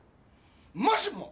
「もしも！